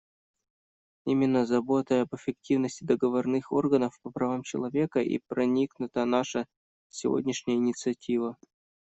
Именно заботой об эффективности договорных органов по правам человека и проникнута наша сегодняшняя инициатива.